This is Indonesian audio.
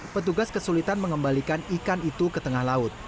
petugas kesulitan mengembalikan ikan itu ke tengah laut